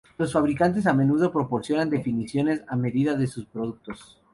Los fabricantes a menudo proporcionan definiciones a medida de sus productos.